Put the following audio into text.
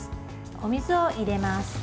お水を入れます。